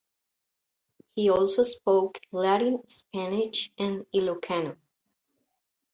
He also spoke Latin, Spanish, and Ilocano.